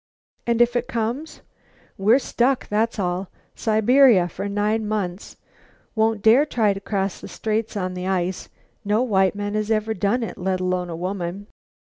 "And if it comes?" "We're stuck, that's all, in Siberia for nine months. Won't dare try to cross the Straits on the ice. No white man has ever done it, let alone a woman.